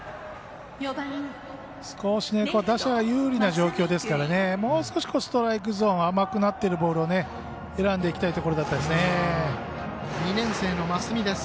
少し打者が有利な状況ですからねもう少しストライクゾーン甘くなっているボールを２年生の増見です。